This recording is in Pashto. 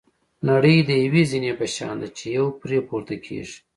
نړۍ د یوې زینې په شان ده چې یو پرې پورته کېږي.